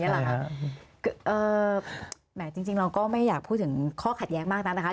อย่างเงี้ยล่ะครับเอ่อแหมจริงจริงเราก็ไม่อยากพูดถึงข้อขัดแยกมากนั้นนะคะ